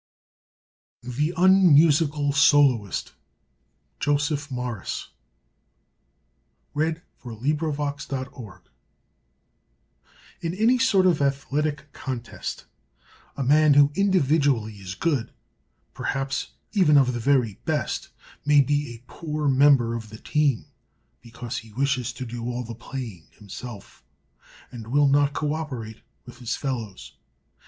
THE UNMUSICAL SOLOIST In any sort of athletic contest a man who individually is good perhaps even of the very best may be a poor member of the team because he wishes to do all the playing himself and will not co operate with his fellows.